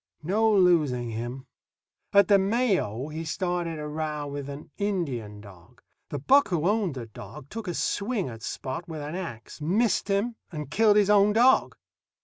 No losing him. At the Mayo he started a row with an Indian dog. The buck who owned the dog took a swing at Spot with an ax, missed him, and killed his own dog.